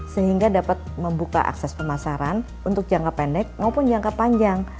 sehingga dapat membuka akses pemasaran untuk jangka pendek maupun jangka panjang